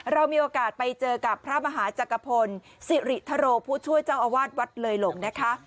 เรามีโอกาสไปเจอกับพระมหาจักรพลสิริธโรผู้ช่วยเจ้าอาวาสวัดเลยหลงนะคะ